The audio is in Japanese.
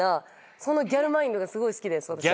そのギャルマインドがすごい好きです私は。